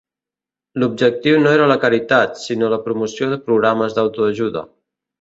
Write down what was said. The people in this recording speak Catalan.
L'objectiu no era la caritat, sinó la promoció de programes d'autoajuda.